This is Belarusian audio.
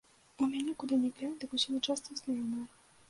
У мяне, куды ні глянь, дык усё начальства знаёмае.